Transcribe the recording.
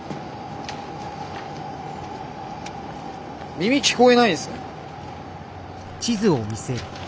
耳聞こえないんすか？